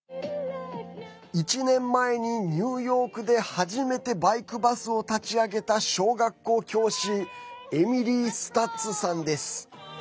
１年前にニューヨークで初めてバイクバスを立ち上げた小学校教師エミリー・スタッツさんです。